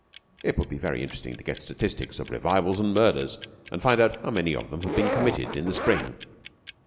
It would be very interesting to get the statistics of revivals and murders, and find how many of them have been committed in the spring.